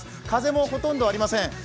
風もほとんどありません。